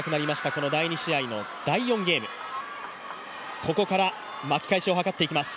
この第２試合の第４ゲーム、ここから巻き返しを図っていきます。